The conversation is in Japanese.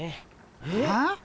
えっ？